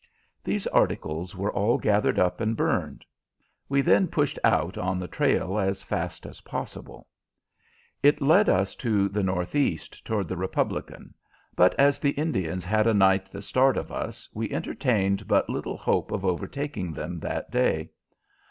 These articles were all gathered up and burned. We then pushed out on the trail as fast as possible. It led us to the northeast toward the Republican; but as the Indians had a night the start of us, we entertained but little hope of overtaking them that day.